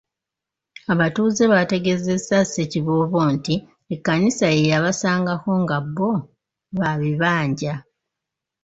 Abatuuze bategeezezza Ssekiboobo nti Ekkanisa ye yabasangako nga bbo ba bibanja.